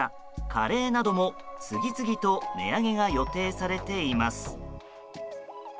カレーなども次々と値上げが予定されています。